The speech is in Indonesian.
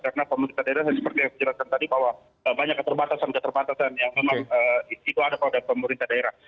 karena pemerintah daerah seperti yang saya jelaskan tadi bahwa banyak keterbatasan keterbatasan yang memang di situ ada pada pemerintah daerah